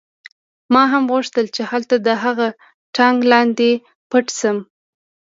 ما هم غوښتل چې هلته د هغه ټانک لاندې پټ شم